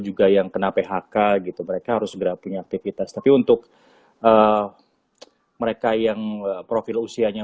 juga yang kena phk gitu mereka harus segera punya aktivitas tapi untuk mereka yang profil usianya